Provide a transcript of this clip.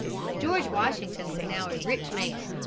George Washington was now a rich man.